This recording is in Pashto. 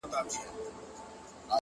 خير دی د مني د اول ماښام هوا به سم!!